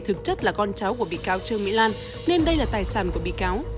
thực chất là con cháu của bị cáo trương mỹ lan nên đây là tài sản của bị cáo